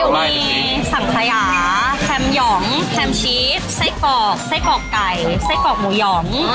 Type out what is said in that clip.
มีสังขยาแคมหยองแคมชีสไส้กรอกไส้กรอกไก่ไส้กรอกหมูหยอง